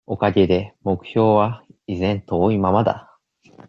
おかげで、目標は、依然遠いままだ。